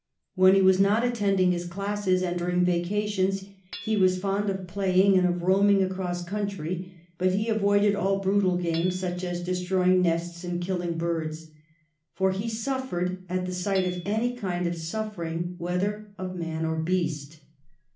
When he was not attending his classes and during vacations, he was fond of playing and of roaming across country ; but he avoided all brutal games, such as destroying nests and killing birds. For he suffered at the sight of any kind of suffering, whether of man or beast.